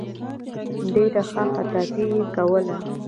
ډېره ښه خطاطي یې کوله.